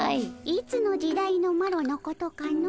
いつの時代のマロのことかの？